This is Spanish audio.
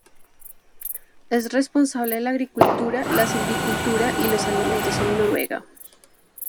Es responsable de la agricultura, la silvicultura y los alimentos en Noruega.